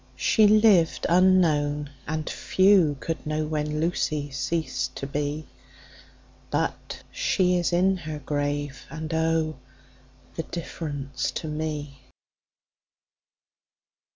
She lived unknown, and few could know When Lucy ceased to be; 10 But she is in her grave, and, oh, The difference to me!